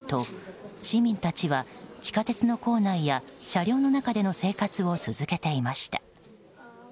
地上には安全な場所はないと市民たちは地下鉄の構内や車両の中での生活を続けていました。